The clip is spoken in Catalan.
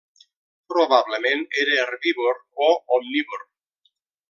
Probablement era herbívor o omnívor.